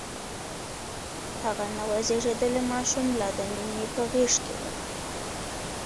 هغه نوی زيږدلی ماشوم لا د مينې په غېږ کې و.